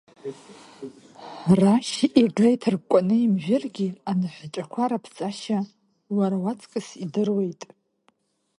Рашь ега иҭыркәкәаны имжәыргьы, аныҳәаҿақәа раԥҵашьа уара уаҵкыс идыруеит.